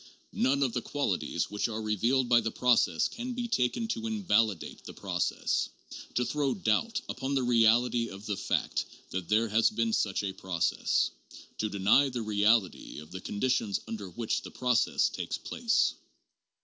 None of the qualities which are revealed by the process can be taken to invalidate the process, to throw doubt upon the reality of the fact that there has been such a process, to deny the reality of the conditions under which the proc ess takes place.